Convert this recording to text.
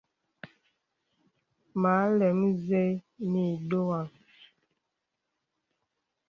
Mə alɛm zə̀ mì dùgha.